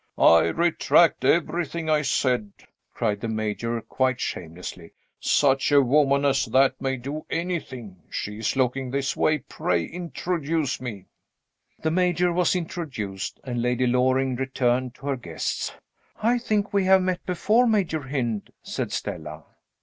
"I retract everything I said!" cried the Major, quite shamelessly. "Such a woman as that may do anything. She is looking this way. Pray introduce me." The Major was introduced, and Lady Loring returned to her guests. "I think we have met before, Major Hynd," said Stella.